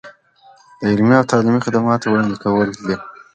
د علمي او تعلیمي خدماتو وړاندې کول.